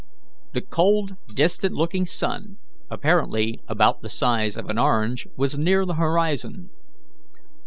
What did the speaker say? The cold, distant looking sun, apparently about the size of an orange, was near the horizon.